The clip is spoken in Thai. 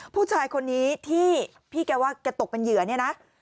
ผู้ชายคนนี้ที่พี่แกว่าแกตกเป็นเหยื่อเนี่ยนะ